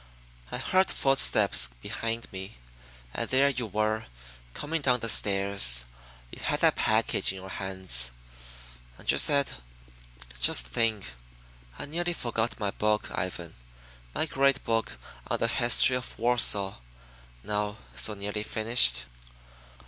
"I heard footsteps behind me, and there you were coming down the stairs. You had that package in your hands, and you said, 'Just think, I nearly forgot my book, Ivan; my great book on the history of Warsaw, now so nearly finished.'